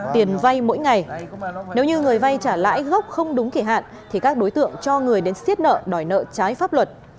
tiền vay mỗi ngày nếu như người vay trả lãi gốc không đúng kỷ hạn thì các đối tượng cho người đến xiết nợ đòi nợ trái pháp luật